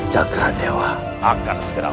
cakra dewa akan segera berhenti